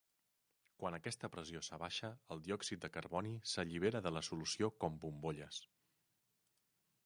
Quan aquesta pressió s'abaixa el diòxid de carboni s'allibera de la solució com bombolles.